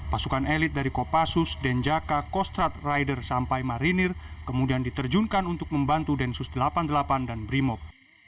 pasukan elit dari kopassus denjaka kostrad rider sampai marinir kemudian diterjunkan untuk membantu densus tlalang